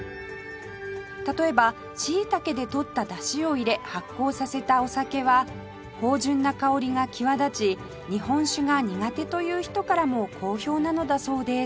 例えばしいたけで取ったダシを入れ発酵させたお酒は芳醇な香りが際立ち日本酒が苦手という人からも好評なのだそうです